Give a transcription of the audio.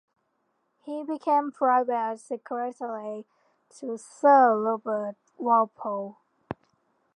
He became private secretary to Sir Robert Walpole.